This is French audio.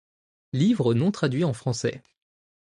Livre non traduit en français.